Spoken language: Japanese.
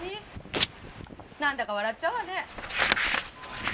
なんだか笑っちゃうわね。